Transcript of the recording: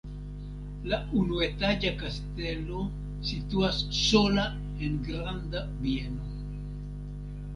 La unuetaĝa kastelo situas sola en granda bieno.